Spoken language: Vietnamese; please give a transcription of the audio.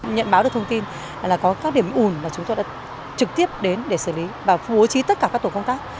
nhận báo được thông tin là có các điểm ủn mà chúng tôi đã trực tiếp đến để xử lý và bố trí tất cả các tổ công tác